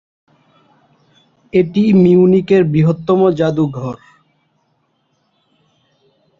এটি মিউনিখের বৃহত্তম যাদুঘর।